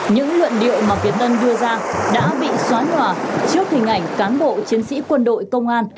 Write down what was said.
những luận điệu mà việt tân đưa ra đã bị xóa nhòa trước hình ảnh cán bộ chiến sĩ quân đội công an